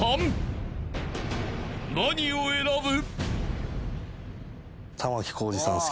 ［何を選ぶ？］